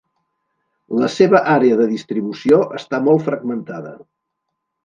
La seva àrea de distribució està molt fragmentada.